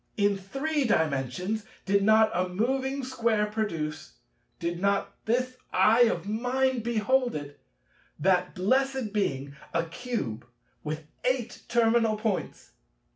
In Three Dimensions, did not a moving Square produce—did not this eye of mine behold it—that blessed Being, a Cube, with eight terminal points?